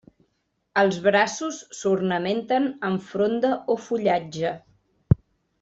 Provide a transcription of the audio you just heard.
Els braços s'ornamenten amb fronda o fullatge.